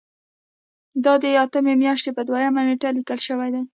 دا د اتمې میاشتې په دویمه نیټه لیکل شوی دی.